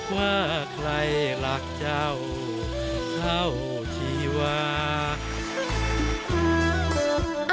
ว่าใครรักเจ้าเท่าชีวา